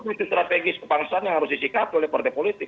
itu strategis kebangsaan yang harus disikapi oleh partai politik